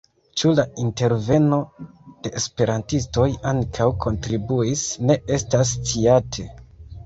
Ĉu la interveno de esperantistoj ankaŭ kontribuis, ne estas sciate.